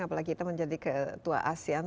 apalagi kita menjadi ketua asean